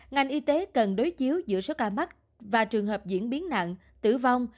ngành y tế cần đối chiếu giữa số ca mắc và trường hợp diễn biến nặng tử vong